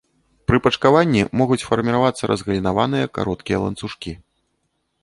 Пры пачкаванні могуць фарміравацца разгалінаваныя, кароткія ланцужкі.